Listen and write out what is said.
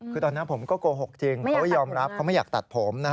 คือตอนนั้นผมก็โกหกจริงเขาก็ยอมรับเขาไม่อยากตัดผม